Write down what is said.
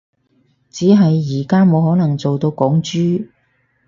只係而家冇可能做到港豬